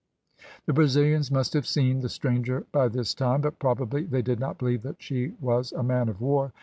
The Brazilians must have seen the stranger by this time, but probably they did not believe that she was a man of war.